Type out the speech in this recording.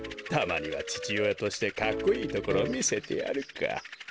たまにはちちおやとしてかっこいいところをみせてやるか。